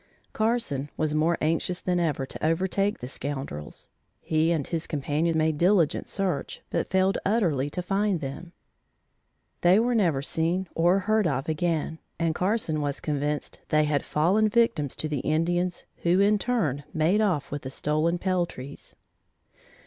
Carson was more anxious than ever to overtake the scoundrels. He and his companion made diligent search, but failed utterly to find them. They were never seen or heard of again, and Carson was convinced they had fallen victims to the Indians who in turn made off with the stolen peltries.